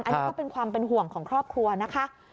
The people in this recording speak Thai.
อันนี้ก็เป็นความเป็นห่วงของครอบครัวนะคะ